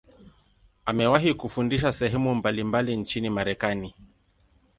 Amewahi kufundisha sehemu mbalimbali nchini Marekani.